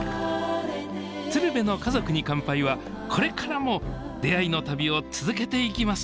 「鶴瓶の家族に乾杯」はこれからも出会いの旅を続けていきます。